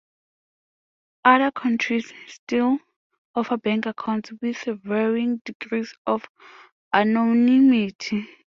Other countries still offer bank accounts with varying degrees of anonymity.